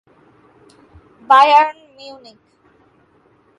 Bayern Munich